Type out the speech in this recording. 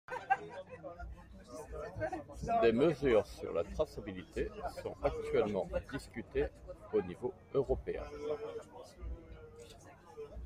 Des mesures sur la traçabilité sont actuellement discutées au niveau européen.